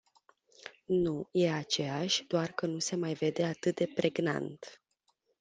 Nu, e aceeași, doar că nu se mai vede atât de pregnant.